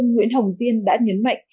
nguyễn hồng diên đã nhấn mạnh